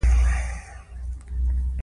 موږ شپې خپل اطاق ته راغلو.